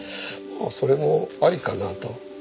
それもありかなと。